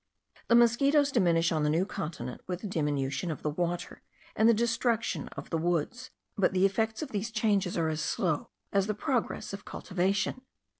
The mosquitos diminish on the New Continent with the diminution of the water, and the destruction of the woods; but the effects of these changes are as slow as the progress of cultivation.